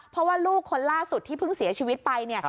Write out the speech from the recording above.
เพราะว่าลูกคนล่าสุดที่เพิ่งเสียชีวิตไปเนี่ย